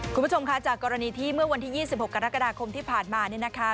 คุณผู้ชมคะจากกรณีที่เมื่อวันที่๒๖กรกฎาคมที่ผ่านมาเนี่ยนะคะ